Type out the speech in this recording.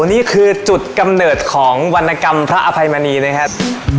นี่คือจุดกำเนิดของวรรณกรรมพระอภัยมณีนะครับ